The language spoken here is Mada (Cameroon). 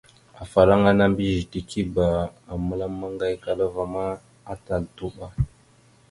Afalaŋa mbiyez tikeba a məlam maŋgayakala ma, atal tuɓa.